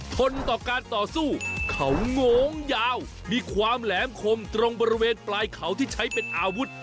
ทนต่อการต่อสู้เขาโง้งยาวมีความแหลมคมตรงบริเวณปลายเขาที่ใช้เป็นอาวุธ